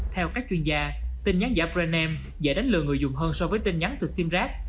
theo các chuyên gia tin nhắn giả brand name dễ đánh lừa người dùng hơn so với tin nhắn từ simrack